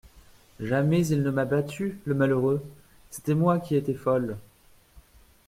Jamais il ne m'a battue, le malheureux ! C'était moi qui étais folle.